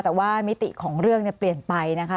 แต่ว่ามิติของเรื่องเปลี่ยนไปนะคะ